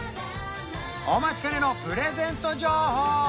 お待ちかねのプレゼント情報